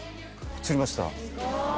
釣りました